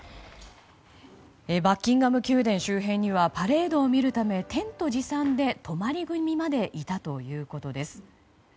バッキンガム宮殿周辺にはパレードを見るためテント持参で、泊まり組までいたということです。